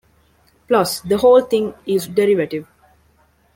Plus, the whole thing is derivative.